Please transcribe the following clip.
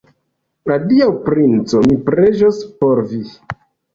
Adiaŭ, princo, mi preĝos por vi!